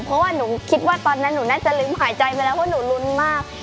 เพราะว่าหนูคิดว่าตอนนั้นหนูน่าจะลืมหายใจไปแล้วเพราะหนูลุ้นมาก